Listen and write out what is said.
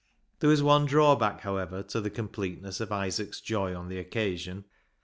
There was one drawback, however, to the completeness of Isaac's joy on the occasion.